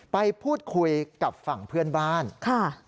ไปพูดคุยกับฝั่งเพื่อนบ้านค่ะ